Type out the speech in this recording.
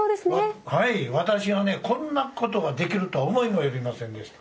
私はこんなことができるとは思いもよりませんでした。